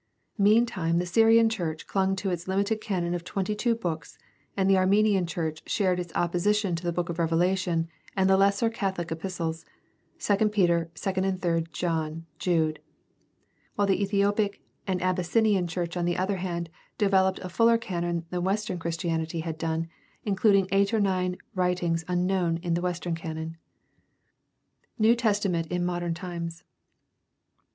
Meantime the Syrian church clung to its limited canon of twenty two books and the Armenian church shared its opposition to the Book of Revelation and the lesser Cathohc epistles (II Peter, II, III John, Jude), while the Ethiopic or Abyssinian church on the other hand developed a fuller canon than Western Christianity had done, including eight or nine writings unknown to the Western canon. The New Testament in modern times.